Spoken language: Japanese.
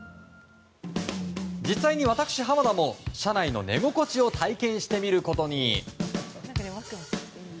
実際に私、濱田も車内の寝心地を体験してみることに。